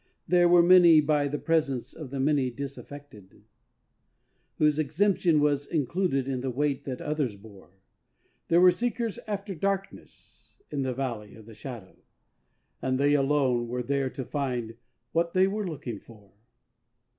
There were many by the presence of the many disaffected, Whose exemption was included in the weight that others bore: There were seekers after darkness in the Valley of the Shadow, And they alone were there to find what they were looking for.